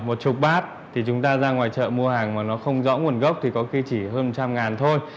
một chục bát thì chúng ta ra ngoài chợ mua hàng mà nó không rõ nguồn gốc thì có khi chỉ hơn một trăm linh ngàn thôi